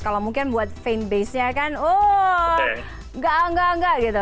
kalau mungkin buat fame base nya kan oh nggak nggak nggak gitu